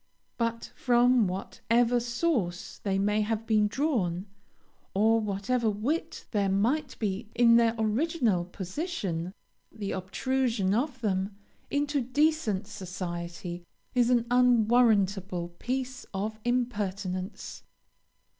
But from whatever source they may have been drawn, or whatever wit there might be in their original position, the obtrusion of them into decent society is an unwarrantable piece of impertinence.